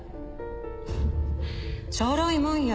フッちょろいもんよ